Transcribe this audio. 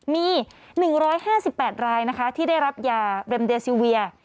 มี๑๕๘รายที่ได้รับยารำเดซิเวียร์